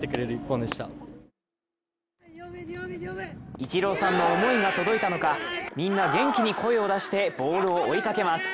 イチローさんの思いが届いたのか、みんな元気に声を出してボールを追いかけます。